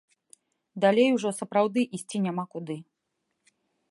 Далей ужо сапраўды ісці няма куды.